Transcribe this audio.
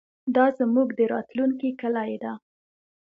دا زموږ د راتلونکي کلي ده.